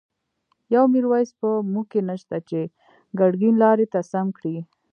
يو” ميرويس ” په موږکی نشته، چی ګر ګين لاری ته سم کړی